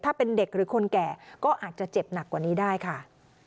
ถ้าเป็นเด็กหรือคนแก่ก็อาจจะเจ็บหนักกว่านี้ได้ค่ะ